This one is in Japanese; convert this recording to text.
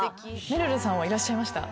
めるるさんはいらっしゃいました？